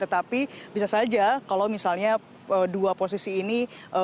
tetapi bisa saja kalau misalnya dua posisi ini